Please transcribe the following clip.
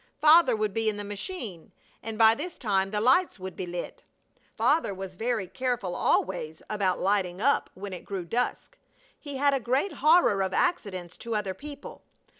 Father would be in the machine, and by this time the lights would be lit. Father was very careful always about lighting up when it grew dusk. He had a great horror of accidents to other people.